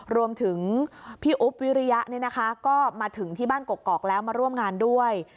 รวมถึงพี่อุ๊บวิริยะก็มาถึงที่บ้านกกอกแล้วมาร่วมงานด้วย